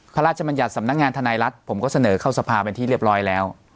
บรรยัติสำนักงานธนายรัฐผมก็เสนอเข้าสภาเป็นที่เรียบร้อยแล้ว